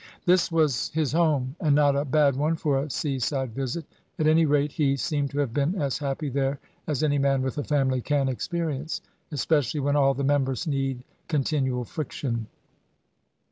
This was his home; and not a bad one for a sea side visit. At any rate he seemed to have been as happy there as any man with a family can experience; especially when all the members need continual friction.